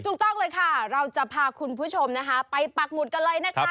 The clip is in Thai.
ถูกต้องเลยค่ะเราจะพาคุณผู้ชมนะคะไปปักหมุดกันเลยนะคะ